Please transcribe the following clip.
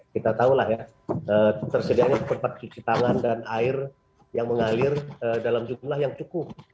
kita tahu lah ya tersedianya tempat cuci tangan dan air yang mengalir dalam jumlah yang cukup